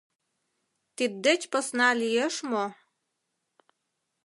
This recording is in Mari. Тиддеч посна лиеш мо...